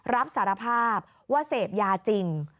รับสารภาพว่าเสพยาจริง